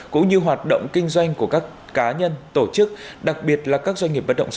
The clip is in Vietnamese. cũng như hoạt động kinh doanh của các cá nhân tổ chức đặc biệt là các doanh nghiệp bất động sản